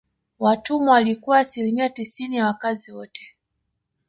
Watumwa walikuwa asilimia tisini ya wakazi wote